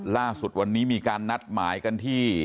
ล่าสุดวันนี้มีการนัดหมายกันที่